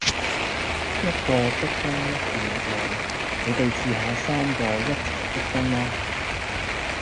一個壁咚一份力量，你哋試吓三個一齊壁咚啦